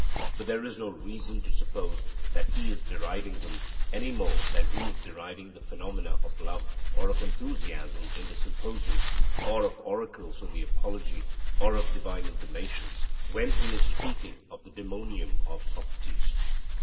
But there is no reason to suppose that he is deriding them, any more than he is deriding the phenomena of love or of enthusiasm in the Symposium, or of oracles in the Apology, or of divine intimations when he is speaking of the daemonium of Socrates.